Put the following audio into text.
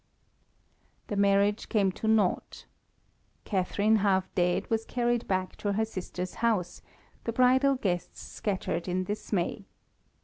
The marriage came to nought. Catharine, half dead, was carried back to her sister's house, the bridal guests scattered in dismay.